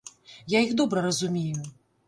Я іх добра разумею.